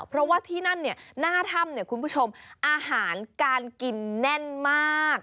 เพราะว่าที่นั่นหน้าถ้ำคุณผู้ชมอาหารการกินแน่นมาก